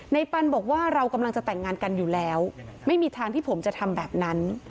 ปันบอกว่าเรากำลังจะแต่งงานกันอยู่แล้วไม่มีทางที่ผมจะทำแบบนั้น